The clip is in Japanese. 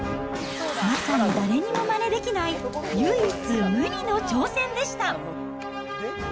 まさに誰にもまねできない唯一無二の挑戦でした。